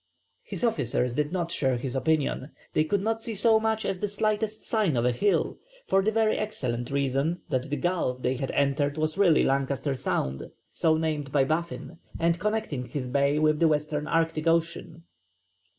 His officers did not share his opinion; they could not see so much as the slightest sign of a hill, for the very excellent reason that the gulf they had entered was really Lancaster Sound, so named by Baffin, and connecting his bay with the western Arctic Ocean.